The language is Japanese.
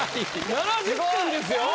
７０点ですよ。